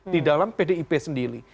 di dalam pdip sendiri